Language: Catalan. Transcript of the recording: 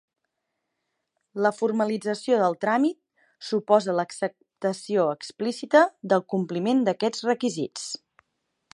La formalització del tràmit suposa l'acceptació explícita del compliment d'aquests requisits.